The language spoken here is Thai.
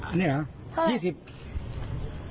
อันนี้เหรอ